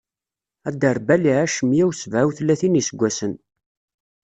Aderbal iɛac meyya u sebɛa u tlatin n iseggasen.